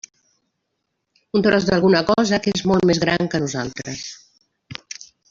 Un tros d'alguna cosa que és molt més gran que nosaltres.